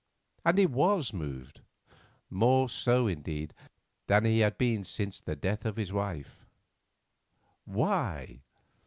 And he was moved; more so, indeed, than he had been since the death of his wife. Why?